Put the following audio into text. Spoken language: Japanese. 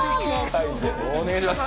お願いします！